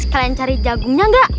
kalian cari jagungnya enggak